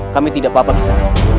kami tidak apa apa bisa